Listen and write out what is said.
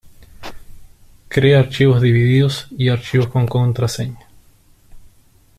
Crea archivos divididos y archivos con contraseña.